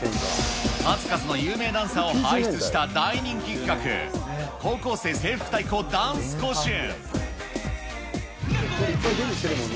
数々の有名ダンサーを輩出した大人気企画、高校生制服対抗ダンス甲子園。